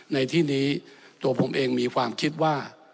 ในที่นี้ตัวผมเองมีความคิดว่า